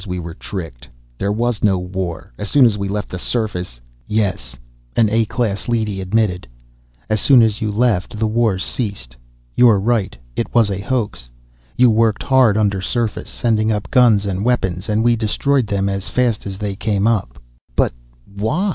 We were tricked. There was no war. As soon as we left the surface " "Yes," an A class leady admitted. "As soon as you left, the war ceased. You're right, it was a hoax. You worked hard undersurface, sending up guns and weapons, and we destroyed them as fast as they came up." "But why?"